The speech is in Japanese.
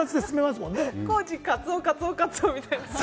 高知はカツオ、カツオ、カツオみたいな。